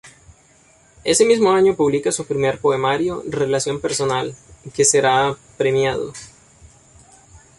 Ese mismo año publica su primer poemario, "Relación personal", que será premiado.